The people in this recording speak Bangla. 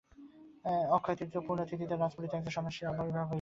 অক্ষয় তৃতীয়ার পূর্ণ তিথিতে রাজপুরীতে একজন সন্ন্যাসীর আবির্ভাব হল।